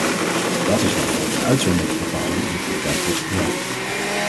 Dát is waarvoor de uitzonderingsbepaling in de praktijk wordt gebruikt.